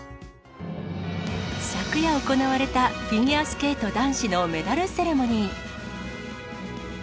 昨夜行われた、フィギュアスケート男子のメダルセレモニー。